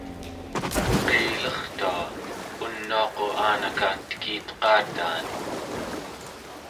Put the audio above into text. qiilertua unuaqu aanaka tekiteqataan